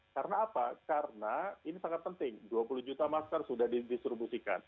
karena apa karena ini sangat penting dua puluh juta masker sudah didistribusikan